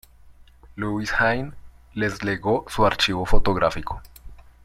Lewis Hine les legó su archivo fotográfico.